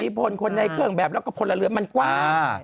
คือฟูตภายกิจพลคนในเครื่องแบบแล้วก็คนอำนาจมันกว้าง